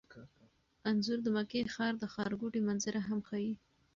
انځور د مکې ښار د ښارګوټي منظره هم ښيي.